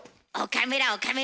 岡村岡村。